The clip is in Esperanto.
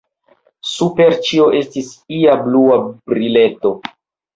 Super ĉio estis ia blua brileto.